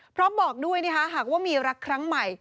พร้อมบอกด้วยหากว่ามีรักครั้งใหม่